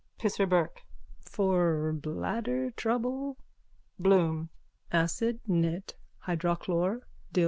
PISSER BURKE: For bladder trouble? BLOOM: _Acid. nit. hydrochlor. dil.